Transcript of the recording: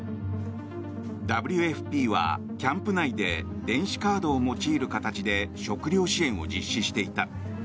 ＷＦＰはキャンプ内で電子カードを用いる形で食料支援を実施していた。